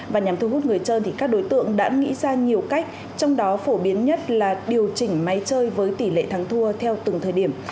và nhằm thu hút người chơi thì các đối tượng đã nghĩ ra nhiều cách trong đó phổ biến nhất là điều chỉnh máy chơi với tỷ lệ thắng thua theo từng thời điểm